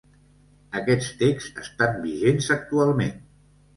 Aquests texts estan vigents actualment.